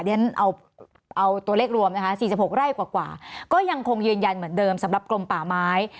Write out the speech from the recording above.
เดี๋ยวฉันเอาตัวเลขรวมนะคะ๔๖ไร่กว่าก็ยังคงยืนยันเหมือนเดิมสำหรับกลมป่าไม้